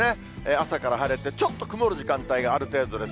朝から晴れて、ちょっと曇る時間帯がある程度です。